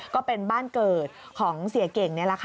ก็เป็นบ้านเกิดของเสียเก่ง